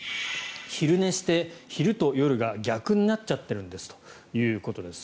昼寝して昼と夜が逆になっちゃってるんですということです。